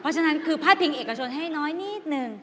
ฉะนั้นภาทปริงเอกชนให้น้อยนิดนึง